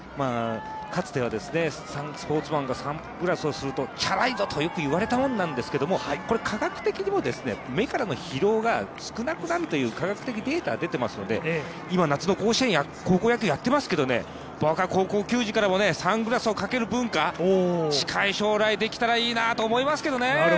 かつてはスポーツマンがサングラスをするとちゃらいぞとよく言われたものなんですけども、これは科学的にも目からの疲労が少なくなるという科学的データ、出てますので今、夏の甲子園、高校野球やっていますけどね、僕は高校球児からもサングラスをかける文化近い将来、できたらいいなと思いますけどね。